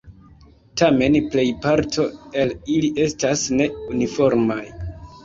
Tamen plejparto el ili estas ne uniformaj.